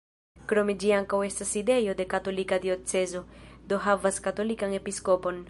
Krome ĝi ankaŭ estas sidejo de katolika diocezo, do havas katolikan episkopon.